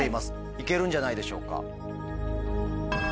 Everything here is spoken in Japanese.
行けるんじゃないでしょうか。